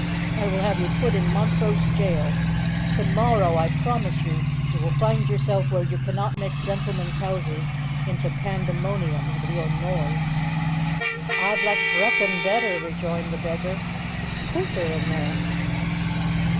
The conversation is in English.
I will have you put in Montrose jail! To morrow, I promise you, you will find yourself where you cannot make gentlemen's houses into pandemoniums with your noise." "A'd like Brechin better," rejoined the beggar; "it's couthier in there."